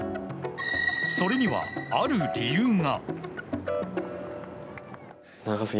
それには、ある理由が。